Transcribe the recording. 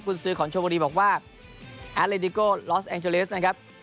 กุญศึของชนบุรีบอกว่าลอสแองเจลิสนะครับ